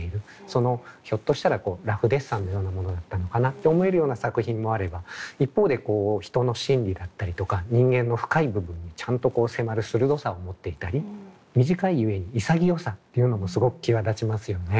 そのひょっとしたらラフデッサンのようなものだったのかなと思えるような作品もあれば一方で人の心理だったりとか人間の深い部分にちゃんと迫る鋭さを持っていたり短いゆえに潔さというのもすごく際立ちますよね。